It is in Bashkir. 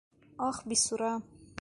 Ах, бисура!